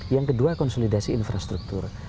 yang kedua konsolidasi infrastruktur